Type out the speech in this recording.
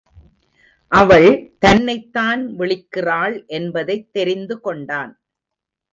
அவள் தன்னைத் தான் விளிக்கிறாள் என்பதைத் தெரிந்து கொண்டான்.